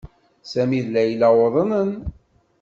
Sami d Layla uḍnen.